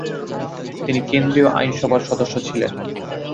তিনি কেন্দ্রীয় আইনসভার সদস্য ছিলেন।